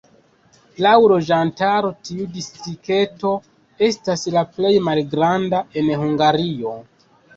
Laŭ loĝantaro tiu distrikto estas la plej malgranda en Hungario.